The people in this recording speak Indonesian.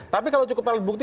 tapi kalau cukup alat bukti